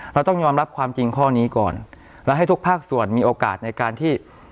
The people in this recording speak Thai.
เราต้องยอมรับความจริงข้อนี้ก่อนและให้ทุกภาคส่วนมีโอกาสในการที่